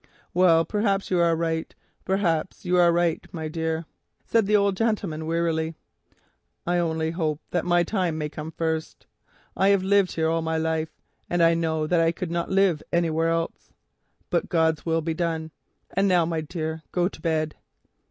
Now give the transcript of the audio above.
"Well, perhaps you are right, perhaps you are right, my dear," said the old Squire wearily. "I only hope that my time may come first. I have lived here all my life, seventy years and more, and I know that I could not live anywhere else. But God's will be done. And now, my dear, go to bed."